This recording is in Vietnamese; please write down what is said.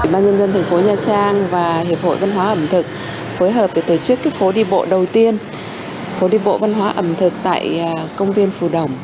ban dân dân thành phố nha trang và hiệp hội văn hóa ẩm thực phối hợp để tổ chức phố đi bộ đầu tiên phố đi bộ văn hóa ẩm thực tại công viên phù đồng